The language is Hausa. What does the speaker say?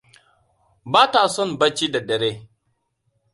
Bata son bacci daddadare.